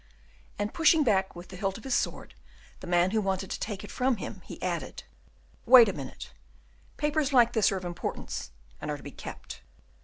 And, pushing back with the hilt of his sword the man who wanted to take it from him, he added, "Wait a minute, papers like this are of importance, and are to be kept."